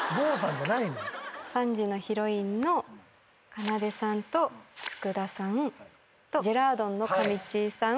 ３時のヒロインのかなでさんと福田さんとジェラードンのかみちぃさん。